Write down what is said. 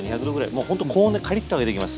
もうほんと高温でカリッと揚げていきます。